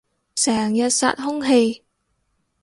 成日殺空氣